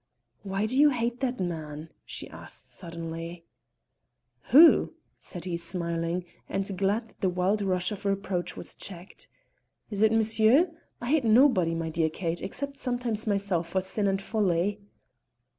"Why do you hate that man?" she asked, suddenly. "Who?" said he smiling, and glad that the wild rush of reproach was checked. "Is it monsher? I hate nobody, my dear Kate, except sometimes myself for sin and folly."